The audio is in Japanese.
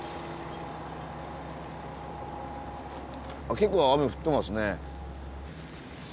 結構雨降ってますね。